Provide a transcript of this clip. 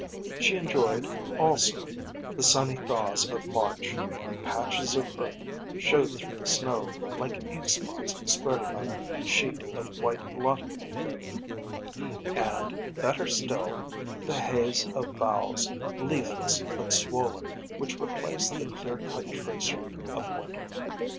She enjoyed, also, the sunny thaws of March, when patches of earth showed through the snow, like ink spots spreading on a sheet of white blotting paper; and, better still, the haze of boughs, leafless but swollen, which replaced the clear cut tracery of winter.